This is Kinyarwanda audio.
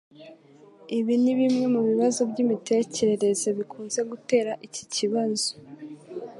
ibi ni Bimwe mu bibazo by'imitekerereze bikunze gutera iki kibazo